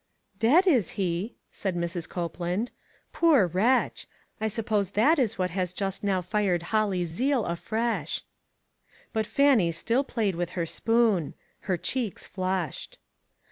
" Dead, is he ?" said Mrs. Copeland. " Poor wretch ! I suppose that is what has just now fired Holly's zeal afresh." But Fannie still played with her spoon ; her cheeks flushed.